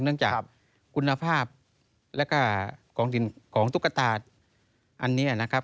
เนื่องจากคุณภาพแล้วก็ของตุ๊กตาอันนี้นะครับ